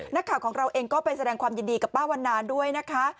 นักข่าวของเราเองก็ไปแสดงความยินดีกับป้าวันนานด้วยนะคะ